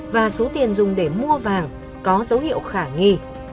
và số tiền dùng để mua vàng có dấu hiệu khả nghi